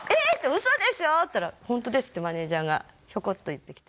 ウソでしょ！って言ったら「ホントです」ってマネジャーがひょこっと言ってきて。